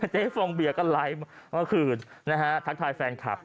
ฟองเบียร์ก็ไลฟ์เมื่อคืนนะฮะทักทายแฟนคลับ